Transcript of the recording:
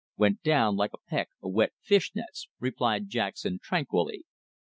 "Went down like a peck of wet fish nets," replied Jackson tranquilly.